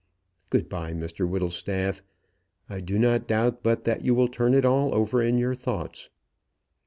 Good bye, Mr Whittlestaff. I do not doubt but that you will turn it all over in your thoughts."